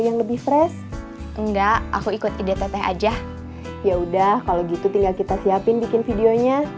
yang lebih fresh enggak aku ikut idtt aja ya udah kalau gitu tinggal kita siapin bikin videonya